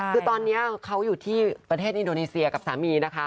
คือตอนนี้เขาอยู่ที่ประเทศอินโดนีเซียกับสามีนะคะ